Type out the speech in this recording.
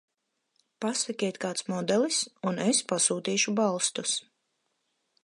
Pasakiet kāds modelis un es pasūtīšu balstus.